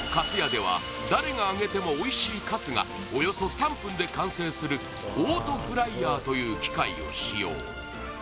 つやでは誰が揚げてもおいしいカツがおよそ３分で完成するオートフライヤーという機械を使用